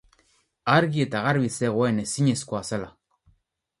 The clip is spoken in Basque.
Argi eta garbi zegoen ezinezkoa zela.